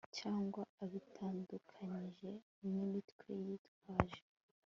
cy abitandukanyijwe n imitwe yitwaje